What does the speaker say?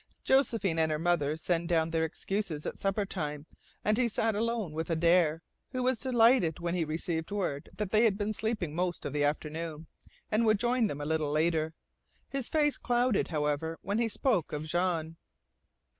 Josephine and her mother send down their excuses at supper time, and he sat down alone with Adare, who was delighted when he received word that they had been sleeping most of the afternoon, and would join them a little later. His face clouded, however, when he spoke of Jean.